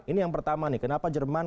ini yang pertama nih kenapa jerman